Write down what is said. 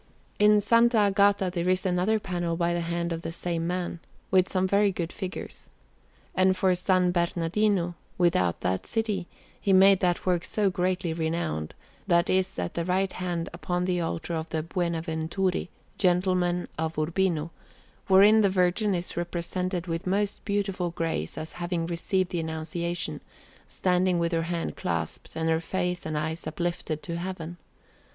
In S. Agata there is another panel by the hand of the same man, with some very good figures. And for S. Bernardino, without that city, he made that work so greatly renowned that is at the right hand upon the altar of the Buonaventuri, gentlemen of Urbino; wherein the Virgin is represented with most beautiful grace as having received the Annunciation, standing with her hands clasped and her face and eyes uplifted to Heaven.